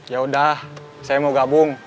yaudah saya mau gabung